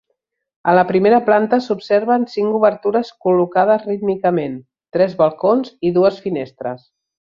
A la primera planta s'observen cinc obertures col·locades rítmicament: tres balcons i dues finestres.